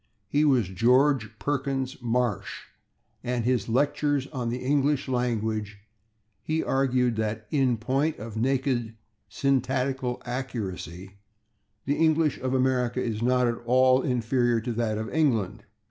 He was George Perkins Marsh, and in his "Lectures on the English Language" he argued that "in point of naked syntactical accuracy, the English of America is not at all inferior to that of England."